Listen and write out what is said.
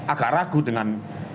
agak ragu dengan